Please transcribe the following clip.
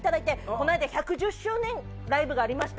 この間１１０周年ライブがありました